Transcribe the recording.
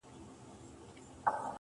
پر کومي لوري حرکت وو حوا څه ډول وه.